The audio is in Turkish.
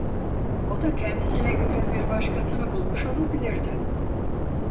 O da kendisine göre bir başkasını bulmuş olabilirdi.